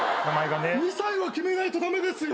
２歳は決めないと駄目ですよ。